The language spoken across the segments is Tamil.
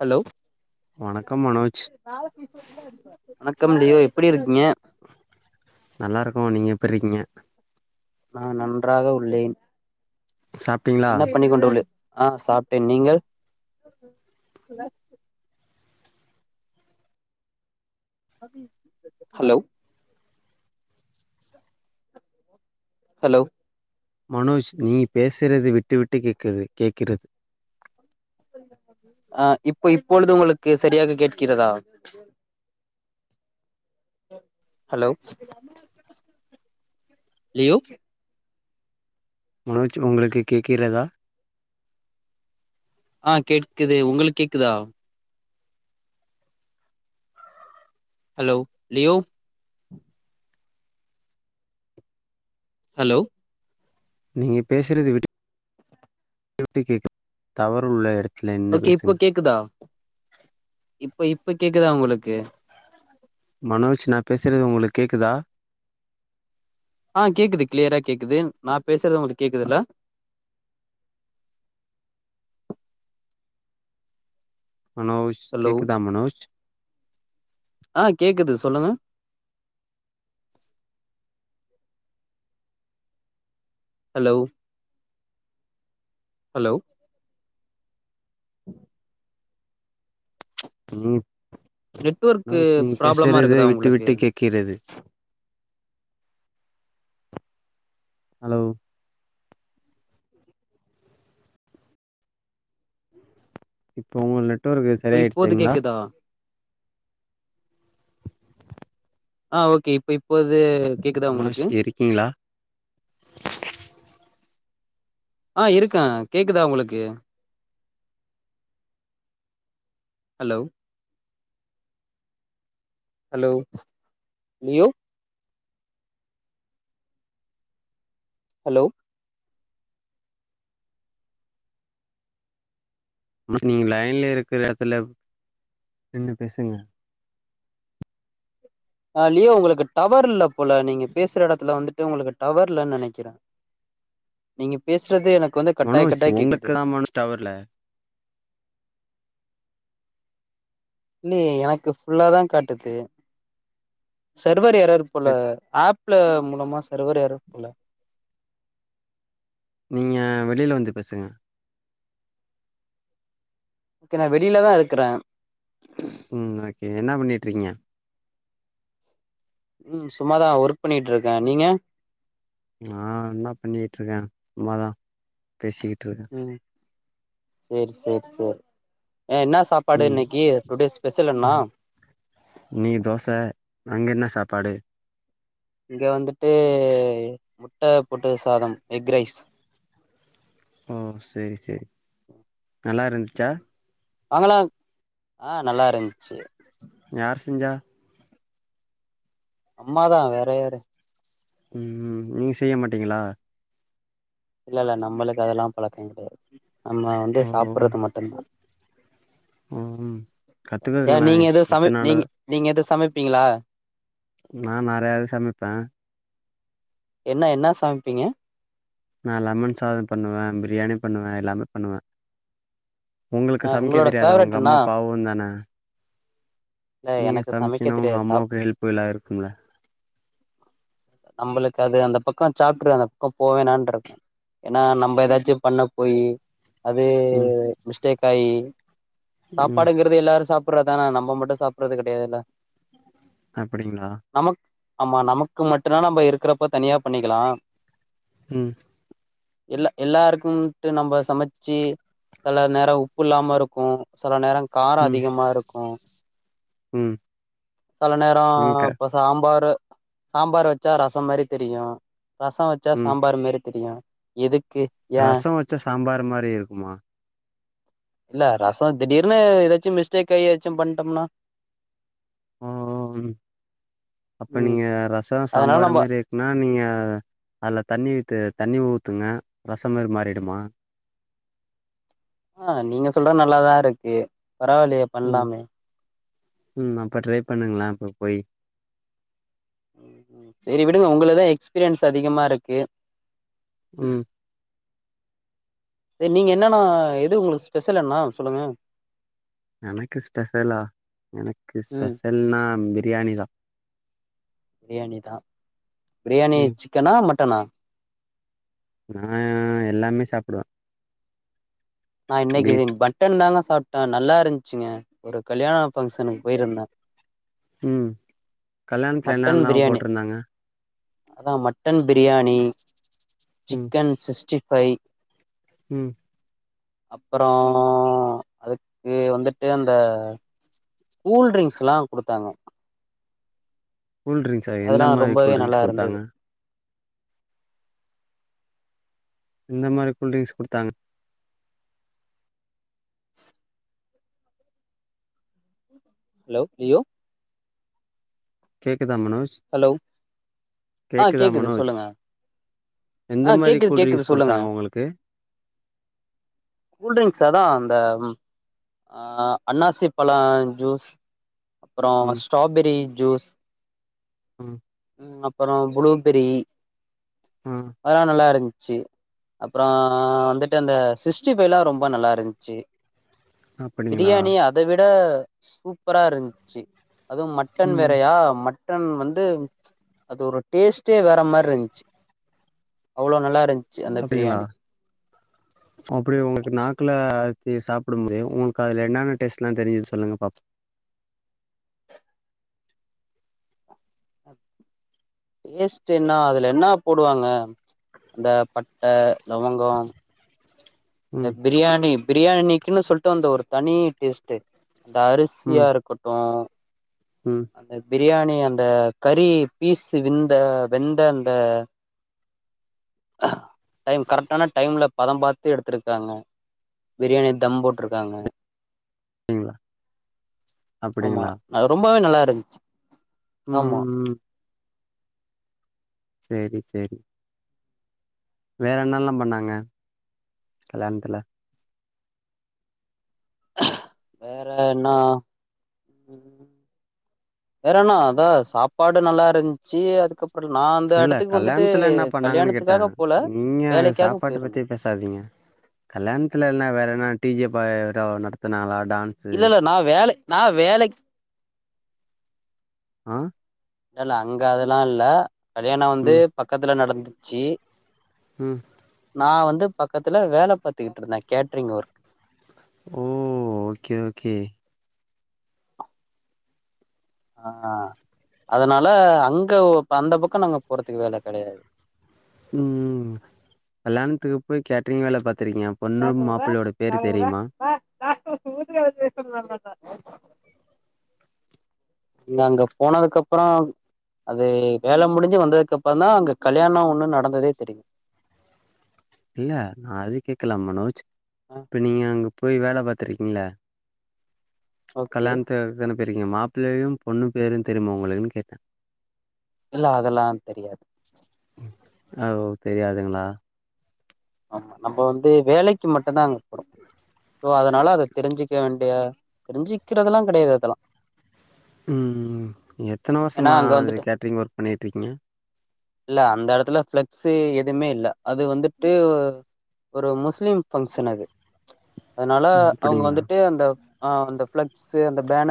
ஹலோ வணக்கம் மனோஜ் வணக்கம் லியோ எப்டி இருக்கீங்க நல்லா இருக்கோ நீங்க எப்பிருக்கீங்க நான் நன்றாக உள்ளேன் சாப் என்ன பண்ணி கொண்டு உள்ளீர் ஆ சாப்ட்டேன் நீங்கள் ஹலோ ஹலோ மனோஜ் நீ பேசுறது விட்டுவிட்டு கேட்குறது கேட்கிறது [inaudible] அ இப்ப இப்பொழுது உங்களுக்கு சரியாக கேட்கிறதா ஹலோ லியோ மனோஜ் உங்களுக்கு கேக்கிறதா ஆ கேட்க்குது உங்களுக்கு கேக்குதா ஹலோ லியோ ஹலோ நீங்க பேசுறது விட்டு விட்டு விட் கேக்குது டவரு உள்ள எடத் ஓகே இப்போ கேக்குதா இப்ப இப்ப கேக்குதா உங்களுக்கு மனோஜ் நா பேசுறது உங்களுக்கு கேக்குதா ஆ கேக்குது க்ளியரா கேக்குது நா பேசுறது உங்களுக்கு கேக்குதுல்ல மனோஜ் ஹலோ கேக்குதா மனோஜ் ஆ கேக்குது சொல்லுங்க ஹலோ ஹலோ ம் நெட்வொர்க்கு நாய்ஸ் நீங்க ப்ராப்ளமா பேசுறது இருக்குதா விட்டு உங்களுக்கு விட்டு கேக்கிறது ஹலோ இப்போ உங்க நெட்ஒர்கு இப்ப இப்போது சரியாயிடுச்சிங்களா கேக்குதா ஆ ஓகே இப்ப இப்போது கேக்குதா உங்களுக்கு மனோஷ் இருக்கீங்களா ஆ இருக்கேன் கேக்குதா உங்களுக்கு ஹலோ ஹலோ லியோ ஹலோ நீங்க லைன்ல இருக்கிற இடத்துல நின்னு பேசுங்க ஆ லியோ உங்களுக்கு டவர் இல்ல போல நீங்க பேசுற இடத்துல வந்துட்டு உங்களுக்கு டவர் இல்லன்னு நினைக்கிறேன் நீங்க பேசுறது எனக்கு வந்து கட்டாய் கட்டாய் கேக்குது நம் ஒன்ஸ் டவர்ல இல்லையே எனக்கு ஃபுல்லா தா காட்டுது சர்வர் எறர் போல ஆப் ப்புல மூலமா சர்வர் எறர் போல நீங்க வெளியில வந்து பேசுங்க ஓகே நான் வெளியிலதான் இருக்கறேன் ம் ஓகே என்ன பண்ணிட்டுரீக்கிங்க ம் சும்மாதான் ஒர்க் பண்ணிட்டு இருக்கேன் நீங்க நா என்ன பண்ணிட்டு இருக்கேன் சும்மாதான் பேசிக்கிட்டு இருக்கேன் ம் சேர் சேர் சேர் ஏ என்ன சாப்பாடு ம் இன்னிக்கி டுடே ஸ்பெஷல் என்னா நீ தோச அங்க என்ன சாப்பாடு இங்க வந்துட்டு முட்டை போட்டு சாதம் எக் ரைஸ் ஓ சேரி சேரி நல்லா இருந்துச்சா வாங்கலாம் ஆ நல்லா இருந்துச்சு யார் செஞ்சா அம்மாதான் வேற யாரு ம் ம் நீங்க செய்ய மாட்டீங்களா இல்ல இல்ல நம்மளுக்கு அதெல்லாம் பழக்கம் கிடையாது நம்ம வந்து ஓ சாப்பிடுறது மட்டும் தா ம் ஏ கத்துக்கங்களே நீங்க எதோ சமை எத்தன் நீ நாளு நீங்க எதோ சமைப்பீங்களா நா நிறையாவே சமைப்பேன் என்ன என்ன சமைப்பீங்க நான் லெமன் சாதம் பண்ணுவேன் பிரியாணி பண்ணுவேன் எல்லாமே பண்ணுவேன் ஆ உங்களுக்கு சமைக்க உங்களோட தெரியாதா ஃபேவரெட் உங்க என்னா அம்மா பாவம் தானே இல்ல நீங்க எனக்கு சமைக்க சமைச்சீன்னா உங்க தெரியாது சாப் அம்மாவுக்கு ஹெல்ப்புல்லா இருக்கும்ல நம்மளுக்கு அது அந்த பக்கம் சாப்டரு அந்த பக்கம் போவேனான் இருக்கே ஏன்னா நம்ம ஏதாச்சும் பண்ண போயி அது ம் மிஸ்டேக் ஆயி ம் சாப்பாடுங்கறது எல்லாரும் சாப் சாப்பறதான நம்ம மட்டும் சாப்பிடறது கெடையாதுல்ல அப்டிங்களா நமக் ஆமா நமக்கு மட்டும்தான் நம்ம இருக்கிறப்ப தனியா பண்ணிக்கலா உம் இல்ல எல்லாருக்கும்ட்டு நம்ம சமச்சி சேல நேரோ உப்பு இல்லாம இருக்கு சில நேரௌ காரோ ம் அதிகமா இருக்கு ம் சில நேரோ ம் க இப்ப சாம்பாரு சாம்பார் வச்சா ரசம் மாரி தெரியு ரசோ வ ச்சா ம் சாம்பார் மாரி தெரியு எதுக்கு ஏ ரசோ வச்சா சாம்பார் மாரி இருக்குமா இல்ல ரசோ திடீர்னு ஏதாச்சு மிஸ்டேக் ஆகி ஏதாச்சு பண்ணிட்டோம்னா ஓ அப்ப ம் நீங்க ரசோ அதனால சாம்பார் நம்ம மாரி னா நீங்க அதில தண்ணி அதுல தண்ணி ஊத்துங்க ரசோ மாரி மாறிடுமா ஆ நீங்க சொல்றது நல்லாதா இருக்கு பரவாயில்லையே ம் பண்லாமே உம் அப்ப ட்ரை பண்ணுங்களே அப்ப போய் செரி விடுங்க உங்களுக்குதா எக்ஸ்பீரியன்ஸ் அதிகமா இருக்கு உம் நீங்க என்னன்னா எது உங்களுக்கு ஸ்பெஷல் என்னா சொல்லுங்க எனக்கு ஸ்பெஷலா எனக்கு ம் ஸ்பெஷல்னா பிரியாணி தா பிரியாணி தா பிரியாணி ம் சிக்கனா மட்டனா நா எல்லாமே சாப்பிடுவே நா இன்னைக்கு மட்டன் தாங்க சாப்பிட்டே நல்லா இருந்துச்சுங்க ஒரு கல்யாணோ ஃபங்க்ஷனுக்கு போயிருந்தே ம் கல்யாணத்துல மட்டன் என்னென்ன பிரியாணி போட்டிருந்தாங்க அதா mutton biryani chicken sixty five உம் அப்புறோ அதுக்கு வந்துட்டு அந்த கூல் ட்ரிங்க்ஸ்லா குடுத்தாங்க கூல்ட்ரிங்க்ஸா எந்த அதெல்லா மாதிரி ரொம்பவே நல்லா கூல்ட்ரிங்க்ஸ் இருந்தது குடுத்தாங்க இந்த மாரி கூல்ட்ரிங்க்ஸ் குடுத்தாங்க ஹலோ யோ கேக்குதா மனோஜ் ஹலோ ஆ கேக்குதா கேக்குது மனோஜ் சொல்லுங்க எந்த மாரி கூல்ட்ரிங்ஸ் குடுத்தாங்க உங்களுக்கு கூல்டிரிங்ஸ் அதா அந்த ஆ அன்னாசி பல ஜூஸ் அப்றோ ம் ஸ்ட்ராபெரி ஜூஸ் ம் ம் அப்பறோ ப்ளூபெரி ஆ அதெல்லா நல்லா இருந்துச்சி அப்றோ வந்துட்டு அந்த சிக்ஸ்டி ஃபைவலா ரொம்ப நல்லா இருந்துச்சு அப்படிங்களா பிரியாணி அத விட சூப்பரா இருந்துச்சு அதுவு மட் ட்டன் ம் வேறையா மட்டன் வந்து அது ஒரு டேஸ்ட்டே வேற மாரி இருந்துச் அவ்வுளோ நல்லா இருந்துச்சு அந்த பிரியாணி அப்டி உங்களுக்கு நாக்குல இத சாப்டும் போதே உங்குளுக்கு அதுல என்னென்ன டேஸ்ட்ல தெரிஞ்சு சொல்லுங்க பாப் டேஸ்ட்டு என்ன அதுல என்ன போடுவாங்க அந்த பட்ட லவங்கோ [unintelligible] த பிரியாணி பிரியாணிக்குன்னு சொல்ட்டு அந்த ஒரு தனி டேஸ்ட்டு அந்த அருசியா இருக்கட்டு உ அந்த பிரியாணி அந்த கறி பீஸ்சு விந்த வெந்த அந்த டைம் கரெக்டான டைம்ல பதம் பாத்து எடுத் த்ருக்காங்க பிரியாணி தம் போட்ருக்காங்க அப்படிங்களா ஆமா அப்படிங்களா அ ரொம்பவே நல்லா இருந்துச் உ உ உ சேரி சேரி வேற என்னலா பண்ணாங்க கல்யாணத்துல வேற என்ன வேறனா அதா சாப்பாடு நல்லா இருந்துச்சி அதுக்கப் ப்ர் நா அந்த இல்ல இடத்துக்கு அப்றோ நா அந்த இடத்துக்கு வந்துட்டு கல்யாணத்துல என்ன பண்ணாங்கன்னு கேட்டே கல்யாணத்துக்காக போல நீங்க வேலைக்காக சாப்பாட்ட போயிருந்தே பத்தி பேசாதீங்க கல்யாணத்துல எனா வேற என்னா டிஜே பைரோ நடத்துனாங்களா டான் இல்ல இல்ல நா வேல நா வேலை ஆ இல்ல இல்ல அங்க அதல்லா இல்ல கல்யாணோ வந்து ம் பக்கத்துல நடந்துச்சி உ நா வந்து பக்கதுல வேல பாத்துக்கிட்டு இருந்தே கேட்ரிங் ஒர்க் ஓ ஓகே ஓகே ஆ அதுனால அங்க அந்த பக்கோ நாங்க போறதுகு வேல கேடையாது ம் ம் கல்யாணத்துகு போய் கேட்டரிங் வேல பாத்துருகிங்க பொன்னு மாப்பிள்ளையோட பேர் தெரியுமா காஸ்டோ சூதிர [unintelligible] ல்ல அங்க போனதுக்கு அப்றோ அது வேல முடிஞ்சு வந்ததுகு அப்றோ தா அங்க கல்யாணோ ஒன்னு நடந்ததே தெரியு இல்ல நா அது கேக்கல மனோஜ் ஆ இப்ப நீங்க அங்க போய் ஆ வேல பாத்துருகீங்ள ஓகே கல்யாணத தான போய்ருகீங்க மாப்ள்ளையு பொண்ணு பேரயு தெரியுமா உங்களுக்குன்னு கேட்டே இல்ல அததேலா தெரியாது அ ஒ தெரியாதுங்களா ஆமா நம்ம வந்து வேலைக்கு மட்டு தா அங்க அதுனால அத தெரிஞ்சிக்க வேண்டிய தெரிஞ்சிக்கிறதல்லா கெடையாது அதெல்லா உ எத்தன ஏன்னா வருசமா அங்க து வந்துட்டு கேட்டரிங் ஒர்க் பண்ணிட்டு இருக்கீங்க இல்ல அந்த எடத்துல ஃப்ளெக்ஸு எதுவுமே இல்ல அது வந்து து ஒரு முஸ்லிம் ஃபங்க்ஷன் அது அதுனால அவுங்க அப்படிங்களா வந்துட்டு அந்த அ அந்த ஃபிளக்ஸு அந்த பேன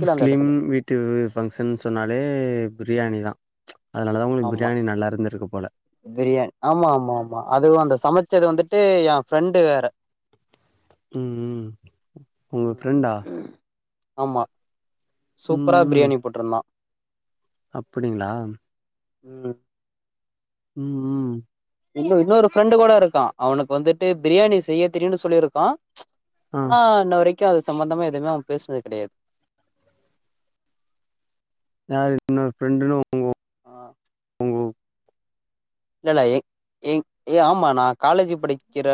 முஸ்லீம் வீட்டு ஃபங்க்ஷன்னு சொன்னாலே பிரியாணி தா அதுனால தா உங்களுக்கு பிரியாணி நல்லா இருந்திருக்குப் போல பிரியாண் ஆமா ஆமா ஆமா அதுவு அந்த சமச்சது வந்துட்டு என் ஃப்ரெண்டு வேற உ உ உங்க ம் ஃப்ரெண்டா ஆமா சூப்பரா பிரியாணி போட்டுருந்தா அப்டிங்களா உ உ உ இன்னு இன்னொரு ஃப்ரெண்டு கூட இருக்கா அவனுக்கு வந்துட்டு பிரியாணி செய்ய தெரியுன்னு சொல்லியிருக்கா ஆ ஆனா இன்ன வரைக்கு அது சம்பந்தமா எதுமே அவே பேசுனது கெடையாது யார் இன்னொரு ஃப்ரெண்டுன்னு உங்க ஆஹ் உங்க இல்லல்ல ஏ ஏங் ஆமா நா காலேஜு படிக்கிற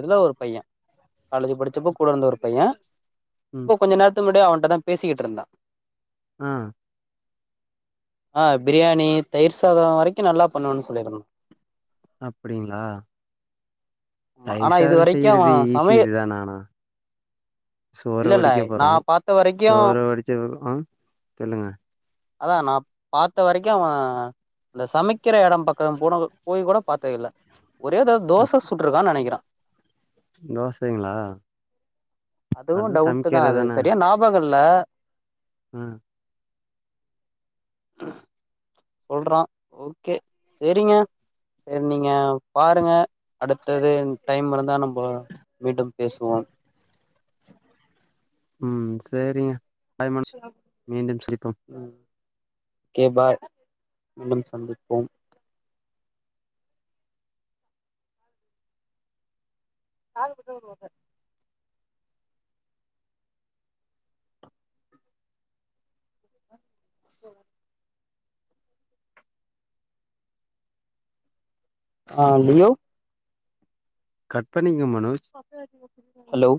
இதுல ஒரு பையே காலேஜு படிச்சப்போ கூட இருந்த ஒரு பையே உம் இப்ப கொஞ்ச நேரத்து முன்னாடி அவன்ட்ட தா பேசிக்கிட்டு இருந்தா ஆஹ் ஆஹ் பிரியாணி தயிர் சாதோ வரைக்கு நல்லா பண்ணுவேன்னு சொன் சொல்லிருக்கா அப்டிங்களா ஆமா தயிர் ஆனா இது சாதோ வரைக்கு அவ செய்யிறது ஈசி சமைய இதுதா நானா சோற இல்ல இல்ல வடிக்கப் நா போறோ பாத்த வரைக்கு சோறு வடிச்ச ஆஹ் சொல்லுங்க அதா நா பாத்த வரைக்கு அவே இந்த சமக்கிற எடம் பக் [unintelligible] போய் கூட பாத்தது இல்ல ஒரே தடவ அப் தோச சுட்றுக்கான்னு நெனைக்கிறே தோசைங்களா அதுவு டவுட்டு தா அது சரியா ஞாப பகோல்ல ஆஹ் சொல்றா ஓகே செரிங்க சரி நீங்க பாருங்க அடுத்தது டைம் இருந்தா நம்போ மீண்டும் பேசுவோ ம் சேரிங்க பாய் மனோஜ் மீண்டும் சந்திப்போம் உம் ஓகே பாய் மீண்டும் சந்திப்போம் காது குத்த வருவாங்க செர் ஆஹ் மியோவ் கட் பண்ணீங்க மனோஜ் ஹலோ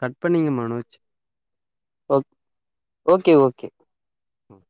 கட் பண்ணீங்க மனோஜ் ஓக் ஓகே ஓகே ஹம்